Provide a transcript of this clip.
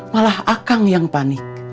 malah akang yang panik